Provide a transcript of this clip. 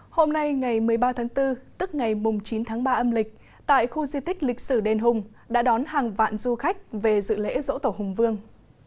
hôm nay ngày một mươi ba tháng bốn tức ngày chín tháng ba âm lịch tại khu di tích lịch sử đền hùng đã đón hàng vạn du khách về dự lễ dỗ tổ hùng vương